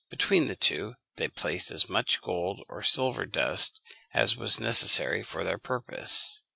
Between the two they placed as much gold or silver dust as was necessary for their purpose.